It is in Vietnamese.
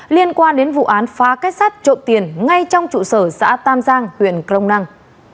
liên quan đến vụ án phá kết sắt trộm tiền ngay trong trụ sở xã tam giang huyện crong năng